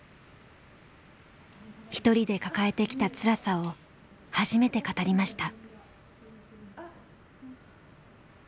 一人で抱えてきたつらさを初めて語りました。